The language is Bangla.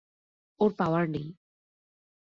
ওর পাওয়ার নেই।